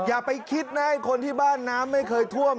อย่าไปคิดนะไอ้คนที่บ้านน้ำไม่เคยท่วม